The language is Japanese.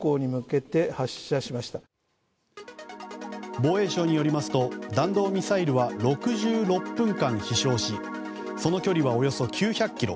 防衛省によると弾道ミサイルは６６分間飛翔しその距離は、およそ９００ｋｍ